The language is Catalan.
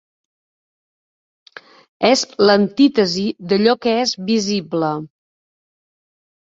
És l'antítesi d'allò que és visible.